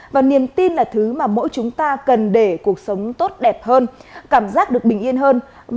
và niềm tin là thứ mà mỗi chúng ta cần để cuộc sống tốt đẹp hơn cảm giác được bình yên hơn